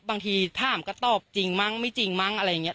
บางทีถามก็ตอบจริงมั้งไม่จริงมั้งอะไรอย่างนี้